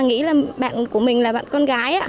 nghĩ là bạn của mình là bạn con gái